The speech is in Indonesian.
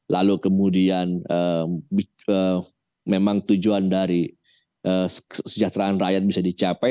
lalu kemudian memang tujuan dari kesejahteraan rakyat bisa dicapai